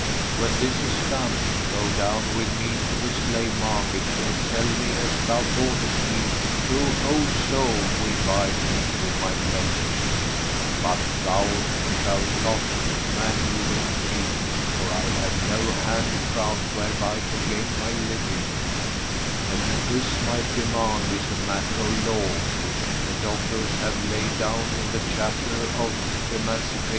When this is done, go down with me to the slave market and sell me as thou boughtest me to whoso will buy me with my blemish; but thou shalt not manumit me, for I have no handicraft whereby to gain my living;[FN#99] and this my demand is a matter of law which the doctors have laid down in the Chapter of Emancipation."